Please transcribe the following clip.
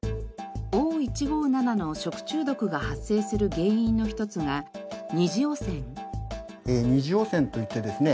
Ｏ１５７の食中毒が発生する原因の一つが二次汚染といってですね